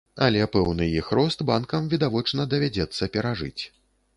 Але пэўны іх рост банкам, відавочна, давядзецца перажыць.